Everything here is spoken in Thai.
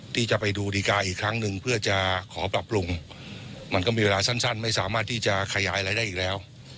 ที่จะไปดูดีการ์อีกครั้งหนึ่งเพื่อจะขอปรับปรุงมันก็มีเวลาสั้นไม่สามารถที่จะขยายอะไรได้อีกแล้ว